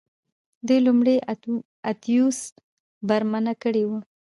دوی لومړی اتیوس برمته کړی و